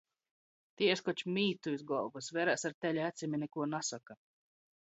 Tēs koč mītu iz golvys! Verās ar teļa acim i nikuo nasoka.